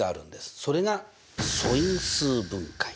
それが素因数分解。